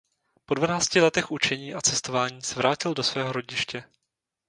Po dvanácti letech učení a cestování se vrátil do svého rodiště.